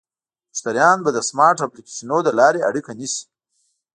مشتریان به د سمارټ اپلیکیشنونو له لارې اړیکه نیسي.